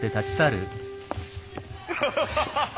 ハハハハハ。